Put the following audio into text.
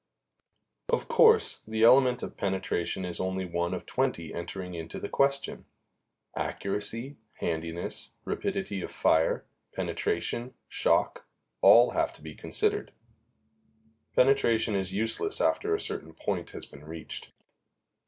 Of course, the element of penetration is only one of twenty entering into the question; accuracy, handiness, rapidity of fire, penetration, shock all have to be considered. Penetration is useless after a certain point has been reached.